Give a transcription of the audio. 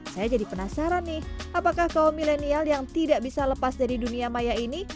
saya jadi penasaran nih apakah kaum milenial yang tidak bisa lepas dari dunia maya ini